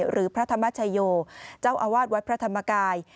หรือพระธรรมชโยเจ้าอาวาสวัดพระธรรมกาย